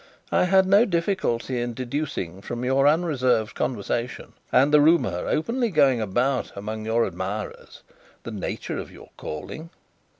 I had no difficulty in deducing from your unreserved conversation, and the rumour openly going about among your admirers, the nature of your calling.